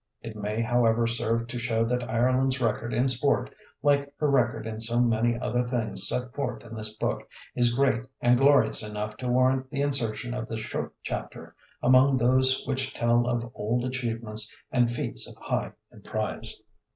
It may, however, serve to show that Ireland's record in sport, like her record in so many other things set forth in this book, is great and glorious enough to warrant the insertion of this short chapter among those which tell of old achievements and feats of high emprize.